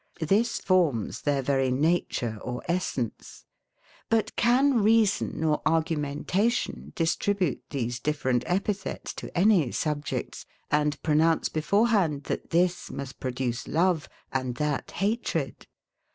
This forms their very nature or essence. But can reason or argumentation distribute these different epithets to any subjects, and pronounce beforehand, that this must produce love, and that hatred?